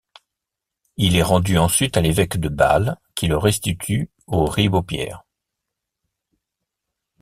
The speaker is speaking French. Il est rendu ensuite à l'évêque de Bâle qui le restitue aux Ribeaupierre.